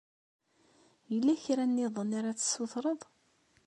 Yella kra niḍen ara d-tessutreḍ?